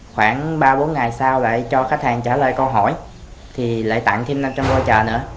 khoảng ba bốn ngày sau lại cho khách hàng trả lời câu hỏi thì lại tặng thêm năm trăm linh voucher nữa